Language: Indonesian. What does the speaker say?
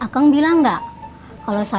dengan mbak mat